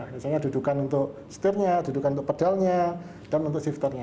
misalnya dudukan untuk setirnya dudukan untuk pedalnya dan untuk sifternya